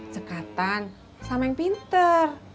cekatan sama yang pinter